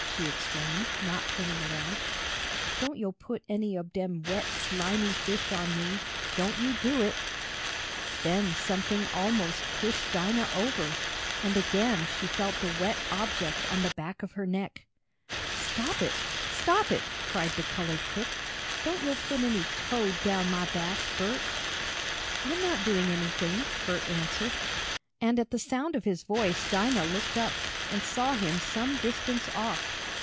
she exclaimed, not turning around. "Don't yo' put any ob dem wet slimy fish on me. Don't you do it!" Then something almost pushed Dinah over, and again she felt the wet object on the back of her neck. "Stop it! Stop it!" cried the colored cook. "Don't yo' put any toad down mah back, Bert!" "I'm not doing anything," Bert answered, and at the sound of his voice Dinah looked up and saw him some distance off.